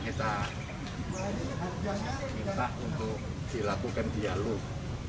kita minta untuk dilakukan dialog